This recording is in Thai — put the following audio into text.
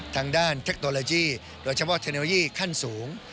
ทางด้านเทคโนโลยีโดยเฉพาะเทคโนโลยีขั้นสูง